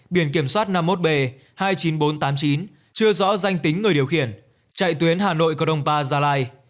biển kiểm soát năm mươi một b hai mươi chín nghìn bốn trăm tám mươi chín chưa rõ danh tính người điều khiển chạy tuyến hà nội cờ đông ba gia lai